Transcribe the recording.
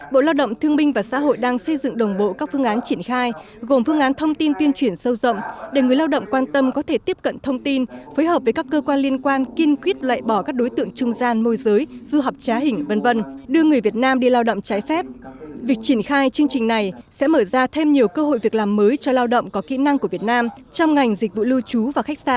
bộ lao động thương minh và xã hội đang xây dựng đồng bộ các phương án triển khai gồm phương án thông tin tuyên truyển sâu rộng để người lao động quan tâm có thể tiếp cận thông tin phối hợp với các cơ quan liên quan kiên quyết lạy bỏ các đối tượng trung gian môi giới du học trá hình v v